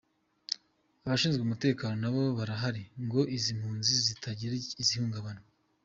Abashinzwe umutekano nabo barahari ngo izi mpunzi zitagira ikizihungabanya.